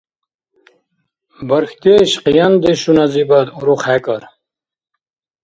Бархьдеш къияндешуназибад уруххӀекӀар.